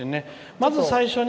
まず最初に。